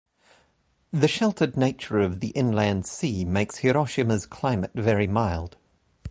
The sheltered nature of the Inland Sea makes Hiroshima's climate very mild.